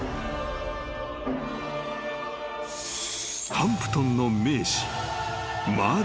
［ハンプトンの名士］